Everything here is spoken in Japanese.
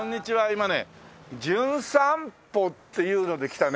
今ね『じゅん散歩』っていうので来たね